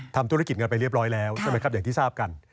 ทำธุรกิจกันไปเรียบร้อยแล้วใช่ไหมครับอย่างที่ทราบกัน